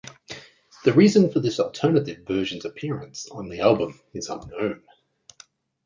The reason for this alternate version's appearance on the album is unknown.